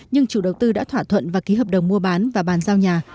nhưng chủ đầu tư đã thỏa thuận và ký hợp đồng mua bán và bàn giao nhà